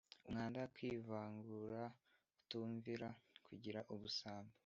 umwanda, kwivangura, kutumvira, kugira ubusambo